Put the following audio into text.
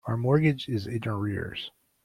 Our mortgage is in arrears.